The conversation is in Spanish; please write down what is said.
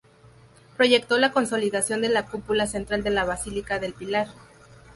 Proyectó la consolidación de la cúpula central de la Basílica del Pilar.